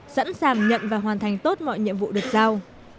sẵn sàng nhận và hoàn thành tốt mọi nhiệm vụ được giao